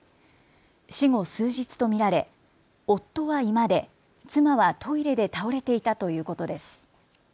死後数日と見られ夫は居間で、妻はトイレで倒れていたということです。